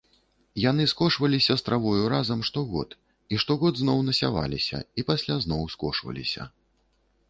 Яны скошваліся з травою разам штогод і штогод зноў насяваліся і пасля зноў скошваліся.